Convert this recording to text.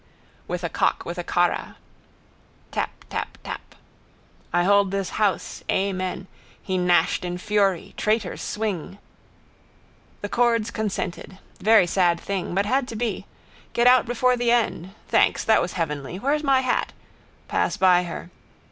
With a cock with a carra. Tap. Tap. Tap. I hold this house. Amen. He gnashed in fury. Traitors swing. The chords consented. Very sad thing. But had to be. Get out before the end. Thanks, that was heavenly. Where's my hat. Pass by her.